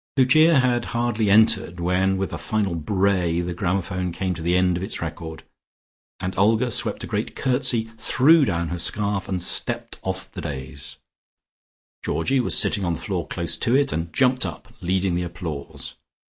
Lucia had hardly entered when with a final bray the gramophone came to the end of its record, and Olga swept a great curtsey, threw down her scarf, and stepped off the dais. Georgie was sitting on the floor close to it, and jumped up, leading the applause.